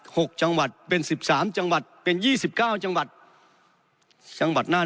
หกจังหวัดเป็นสิบสามจังหวัดเป็นยี่สิบเก้าจังหวัดจังหวัดน่าน